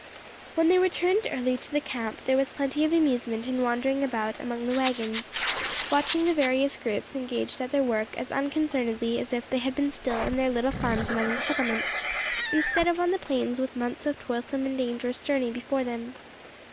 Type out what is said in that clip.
When they returned early to the camp, there was plenty of amusement in wandering about among the waggons, watching the various groups engaged at their work as unconcernedly as if they had been still in their little farms among the settlements, instead of on the plains with months of toilsome and dangerous journey before them.